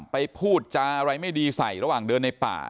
พูดจาอะไรไม่ดีใส่ระหว่างเดินในป่า